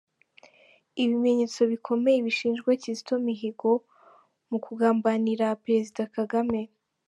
Ibimenyetso bikomeye bishinjwa Kizito Mihigo mu kugambanira Perezida Kagame